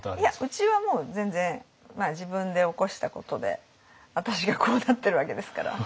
うちはもう全然自分で起こしたことで私がこうなってるわけですから。